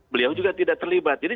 beliau juga tidak terlibat